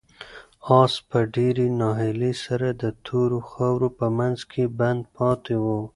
آس په ډېرې ناهیلۍ سره د تورو خاورو په منځ کې بند پاتې و.